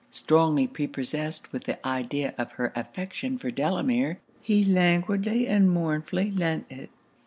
Strongly prepossessed with the idea of her affection for Delamere, he languidly and mournfully lent it.